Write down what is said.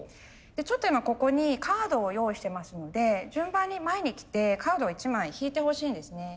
ちょっと今ここにカードを用意してますので順番に前に来てカードを１枚引いてほしいんですね。